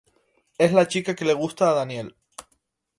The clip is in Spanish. Es la chica que le gusta a Daniel.